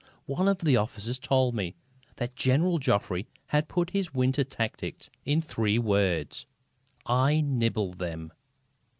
One of the officers told me that General Joffre had put his winter tactics in three words: "I nibble them."